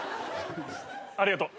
ありがとう。